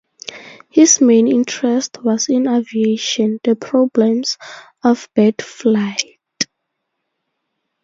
His main interest was in aviation, the problems of bird flight.